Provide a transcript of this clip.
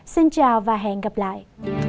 xin chào và hẹn gặp lại